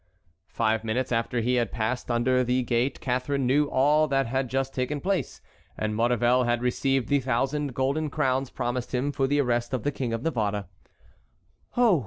Five minutes after he had passed under the gate Catharine knew all that had just taken place, and Maurevel had received the thousand golden crowns promised him for the arrest of the King of Navarre. "Oh!"